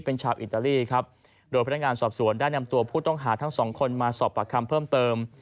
พนักงานสอบสวนได้นำตัวผู้ต้องหาทั้ง๒คนมาสอบปากคำเพิ่มเติม